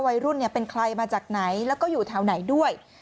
วัยรุ่นเป็นใครมาจากไหนแล้วก็อยู่แถวไหนด้วย